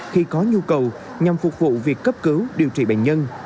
khi có nhu cầu nhằm phục vụ việc cấp cứu điều trị bệnh nhân